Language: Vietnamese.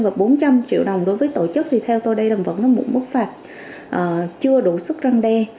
và bốn trăm linh triệu đồng đối với tổ chức thì theo tôi đây là vẫn là một bức phạt chưa đủ sức răng đe